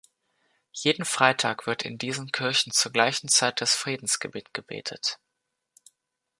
Jeden Freitag wird in diesen Kirchen zur gleichen Zeit das Friedensgebet gebetet.